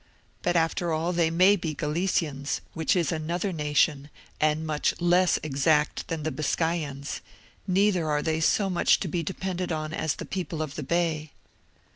But, after all, they may be Galicians, which is another nation, and much less exact than the Biscayans; neither are they so much to be depended on as the people of the Bay."